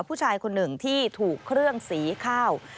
ผู้ชายคนหนึ่งที่ถูกเครื่องสีข้าว